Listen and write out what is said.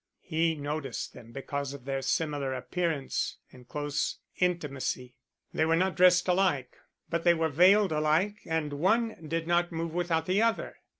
He noticed them because of their similar appearance and close intimacy. They were not dressed alike, but they were veiled alike and one did not move without the other.